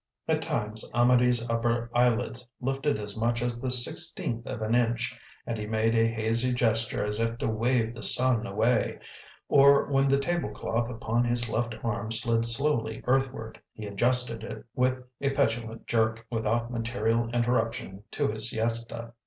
At times Amedee's upper eyelids lifted as much as the sixteenth of an inch, and he made a hazy gesture as if to wave the sun away, or, when the table cloth upon his left arm slid slowly earthward, he adjusted it with a petulant jerk, without material interruption to his siesta.